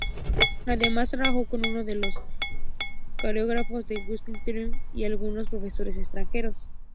Además trabajó con uno de los coreógrafos de Justin Timberlake y algunos profesores extranjeros.